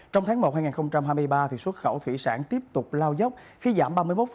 trong tháng một hai nghìn hai mươi ba xuất khẩu thủy sản tiếp tục lao dốc khi giảm ba mươi một